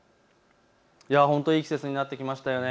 いい季節になってきましたよね。